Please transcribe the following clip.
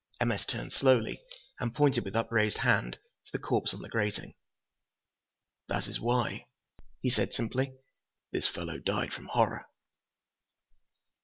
M. S. turned slowly and pointed with upraised hand to the corpse on the grating. "That is why," he said simply, "this fellow died from horror."